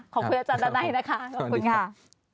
ขอบคุณอาจารย์ดันัยนะคะขอบคุณค่ะ